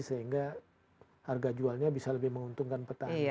sehingga harga jualnya bisa lebih menguntungkan petani